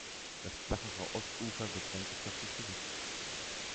Das flachere Ostufer wird landwirtschaftlich genutzt.